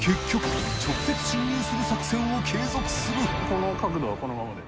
この角度はこのままで。